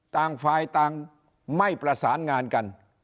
ต่างฝ่ายต่างไม่ประสานงานกัน